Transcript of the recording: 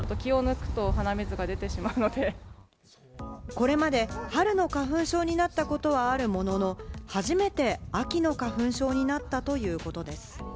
これまで春の花粉症になったことはあるものの、初めて秋の花粉症になったということです。